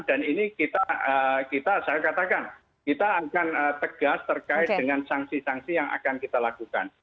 dan ini kita saya katakan kita akan tegas terkait dengan sanksi sanksi yang akan kita lakukan